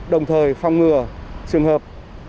đồng thời phòng ngừa trường hợp